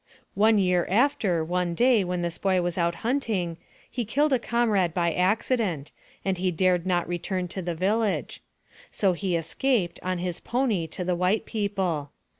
One year after, one day, when this boy was out hunting, he killed a comrade by accident, and he dared not return to the village ; so he escaped, on his pony, to the white people.